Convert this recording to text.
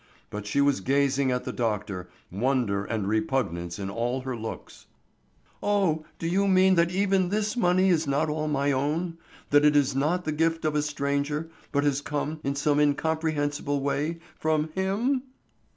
But she was gazing at the doctor, wonder and repugnance in all her looks. "Oh, do you mean that even this money is not all my own? That it is not the gift of a stranger, but has come, in some incomprehensible way, from him?"